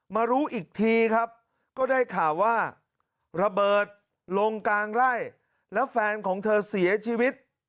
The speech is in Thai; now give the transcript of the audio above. มารู้อีกทีครับก็ได้ข่าวว่าระเบิดลงกลางไร่แล้วแฟนของเธอเสียชีวิต